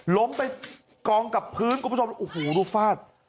ล้มไปกองกับพื้นคุณผู้ชมโอ้โหดูฟาด